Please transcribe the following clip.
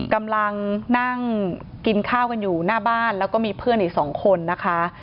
กำลังนั่งกินข้าวกันอยู่หน้าบ้านแล้วก็มีเพื่อนอีกสองคนนะคะ